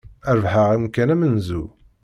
Rebḥeɣ amkan amenzu.